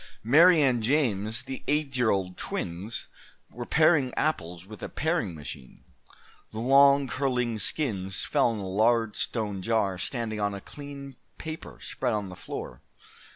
Mary and James, the eight year old twins, were paring apples with a paring machine. The long, curling skins fell in a large stone jar standing on a clean paper, spread on the floor.